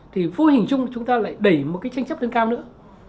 thì vô hình chung chúng ta lại đẩy một cái tranh chấp lên cao nữa